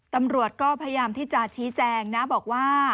ตำรวจก็พยายามที่จะชี้แจงนะบอกว่า